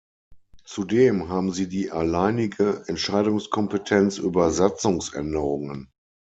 Zudem haben sie die alleinige Entscheidungskompetenz über Satzungsänderungen.